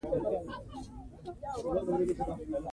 افغانستان د هوا په برخه کې نړیوالو بنسټونو سره کار کوي.